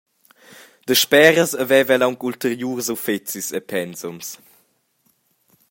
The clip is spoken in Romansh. Dasperas haveva el aunc ulteriurs uffecis e pensums.